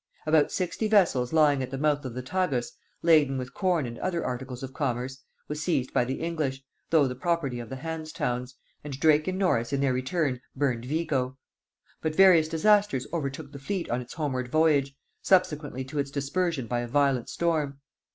About sixty vessels lying at the mouth of the Tagus, laden with corn and other articles of commerce, were seized by the English, though the property of the Hanse Towns, and Drake and Norris in their return burned Vigo: but various disasters overtook the fleet on its homeward voyage, subsequently to its dispersion by a violent storm.